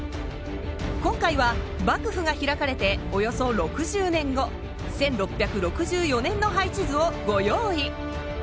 今回は幕府が開かれておよそ６０年後１６６４年の配置図をご用意。